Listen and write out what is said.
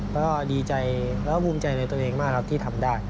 ก็ดีใจแล้วก็ภูมิใจในตัวเองมากครับที่ทำได้